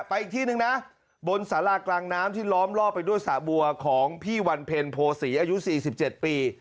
อีกที่นึงนะบนสารากลางน้ำที่ล้อมล่อไปด้วยสระบัวของพี่วันเพ็ญโภษีอายุ๔๗ปี